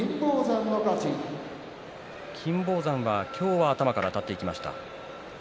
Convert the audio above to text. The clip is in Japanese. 金峰山は今日は頭からあたっていきました。